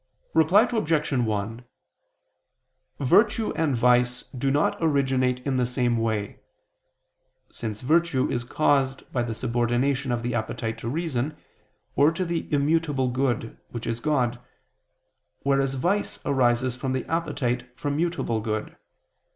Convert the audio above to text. Reply Obj. 1: Virtue and vice do not originate in the same way: since virtue is caused by the subordination of the appetite to reason, or to the immutable good, which is God, whereas vice arises from the appetite for mutable good.